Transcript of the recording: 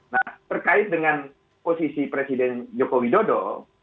nah terkait dengan posisi presiden joko widodo